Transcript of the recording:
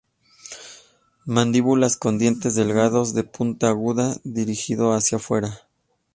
Mandíbulas con dientes delgados, de punta aguda, dirigidos hacia afuera.